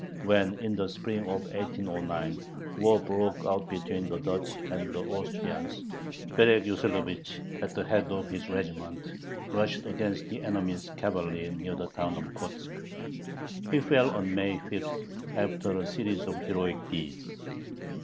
When, in the spring of 1809, war broke out between the Duchy and the Austrians, Berek Yoselovich, at the head of his regiment, rushed against the enemy's cavalry near the town of Kotzk. He fell on May 5, after a series of heroic deeds.